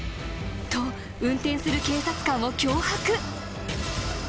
運転する警察官を脅迫］